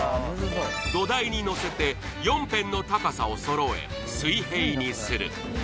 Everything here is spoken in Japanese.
土台に乗せて、４辺の高さをそろえ、水平にする。